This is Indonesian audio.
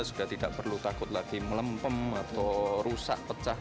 sudah tidak perlu takut lagi melempem atau rusak pecah